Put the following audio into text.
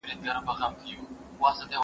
ايا انلاين زده کړه د درسونو ثبت ساتي؟